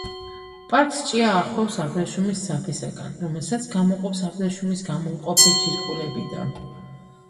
პარკს ჭია ახვევს აბრეშუმის ძაფისაგან, რომელსაც გამოყოფს აბრეშუმის გამომყოფი ჯირკვლებიდან.